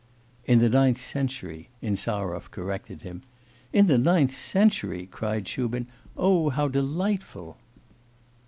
'In the ninth century,' Insarov corrected him. 'In the ninth century?' cried Shubin. 'Oh, how delightful!